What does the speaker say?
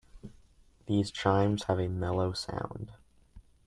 These chimes have a mellow sound.